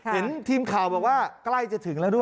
เห็นทีมข่าวบอกว่าใกล้จะถึงแล้วด้วย